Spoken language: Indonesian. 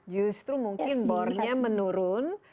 justru mungkin bornya menurun